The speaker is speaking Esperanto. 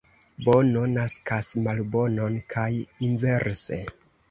Bono naskas malbonon, kaj inverse.